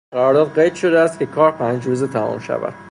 در قرارداد قید شده است که کار پنج روزه تمام شود.